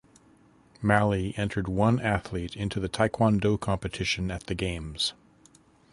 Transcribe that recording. Mali entered one athlete into the taekwondo competition at the Games.